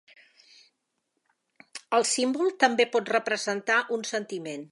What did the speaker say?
El símbol també pot representar un sentiment.